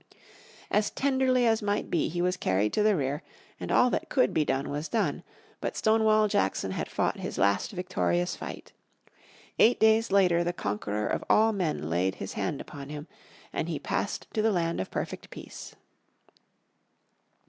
As tenderly as might be he was carried to the rear, and all that could be done was done. But Stonewall Jackson had fought his last victorious fight. Eight days later the Conqueror of all men laid his hand upon him, and he passed to the land of perfect Peace.